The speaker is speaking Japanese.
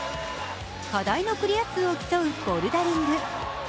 課題のクリア数を競うボルダリング。